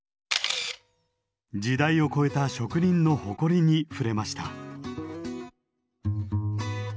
時代を超えた職人の誇りに触れました。